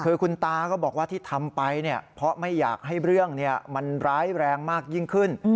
คือคุณตาก็บอกว่าที่ทำไปเนี่ยเพราะไม่อยากให้เรื่องมันร้ายแรงมากยิ่งขึ้น